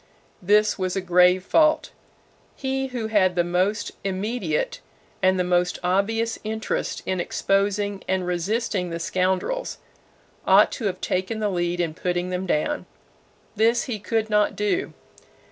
This was a grave fault. He who had the most immediate and the most obvious interest in exposing and resisting the scoundrels, ought to have taken the lead in putting them down. This he could not do.